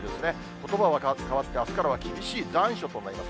ことばは変わって、あすからは厳しい残暑となります。